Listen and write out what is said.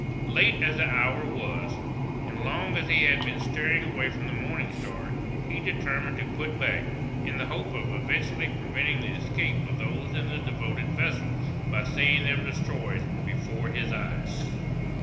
Late as the hour was, and long as he had been steering away from the Morning Star, he determined to put back, in the hope of effectually preventing the escape of those in the devoted vessel, by seeing them destroyed before his eyes.